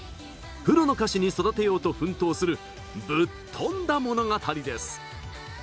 プロの歌手に育てようと奮闘するぶっ飛んだ物語です。